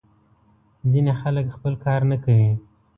ځینې خلک خپله کار نه کوي.